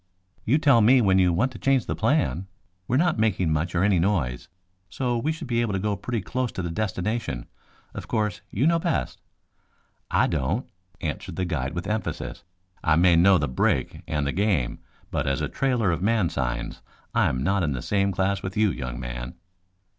"You tell me when you want to change the plan. We are not making much or any noise, so we should be able to go pretty close to the destination. Of course, you know best." "I don't," answered the guide with emphasis. "I may know the brake and the game, but as a trailer of man signs I am not in the same class with you, young man."